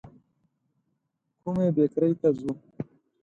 کومي بېکرۍ ته ځو ؟